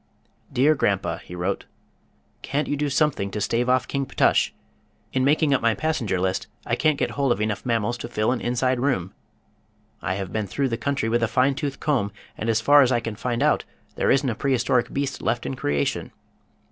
"Dear Grandpa," he wrote: "Can't you do something to stave off King Ptush? In making up my passenger list I can't get hold of enough mammals to fill an inside room. I have been through the country with a fine tooth comb, and as far as I can find out there isn't a prehistoric beast left in creation.